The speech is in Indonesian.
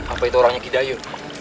apa itu orangnya kidayu